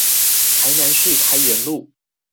台南市開元路